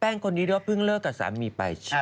แป้งคนนี้เขาเพิ่งเลิกกับสามีไป